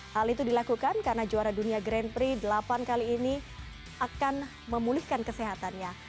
hal itu dilakukan karena juara dunia grand prix delapan kali ini akan memulihkan kesehatannya